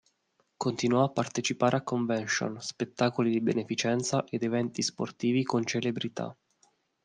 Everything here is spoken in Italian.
Continuò a partecipare a "convention", spettacoli di beneficenza ed eventi sportivi con celebrità.